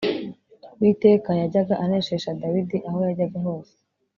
Uwiteka yajyaga aneshesha Dawidi aho yajyaga hose.